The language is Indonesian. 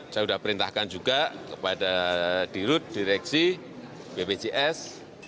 saya sudah perintahkan juga kepada dirut direksi bpjs